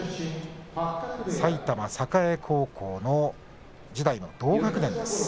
埼玉栄高校時代の同学年です。